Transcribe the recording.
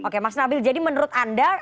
oke mas nabil jadi menurut anda